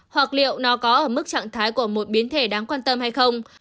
hoặc liệu nó có ở mức trạng thái của một biến thể đáng quan tâm hay không